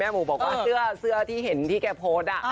หมูบอกว่าเสื้อที่เห็นที่แกโพสต์